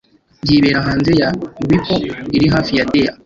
Yibera hanze ya Wripple, iri hafi ya Dea.